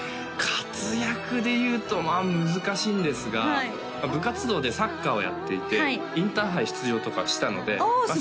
活躍でいうとまあ難しいんですが部活動でサッカーをやっていてインターハイ出場とかしたのであすごいまあ